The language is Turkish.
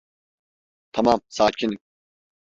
Tamam, sakinim.